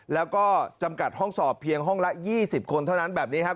แล้วก็จำกัดห้องสอบเพียงห้องละ๒๐คนเท่านั้นแบบนี้ครับ